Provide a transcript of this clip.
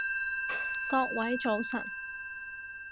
各位早晨